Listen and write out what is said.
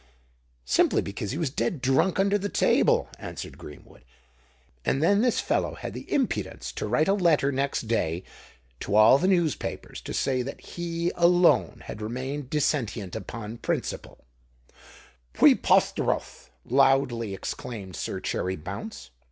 "Simply because he was dead drunk under the table," answered Greenwood. "And then this fellow had the impudence to write a letter next day to all the newspapers to say that he alone had remained dissentient upon principle!" "Pwepothterouth!" loudly exclaimed Sir Cherry Bounce.